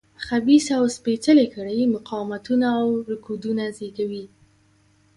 خبیثه او سپېڅلې کړۍ مقاومتونه او رکودونه زېږوي.